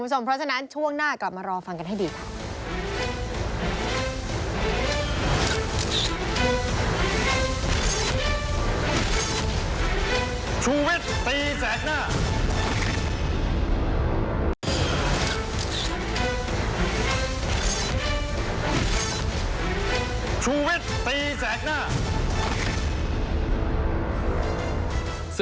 คุณผู้ชมเพราะฉะนั้นช่วงหน้ากลับมารอฟังกันให้ดีค่ะ